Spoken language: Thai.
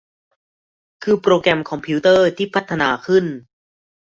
คือโปรแกรมคอมพิวเตอร์ที่พัฒนาขึ้น